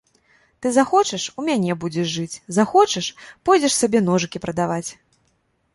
Ты захочаш, у мяне будзеш жыць, захочаш, пойдзеш сабе ножыкі прадаваць.